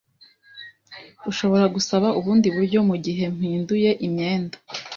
Ushobora gusaba ubundi buryo mugihe mpinduye imyenda?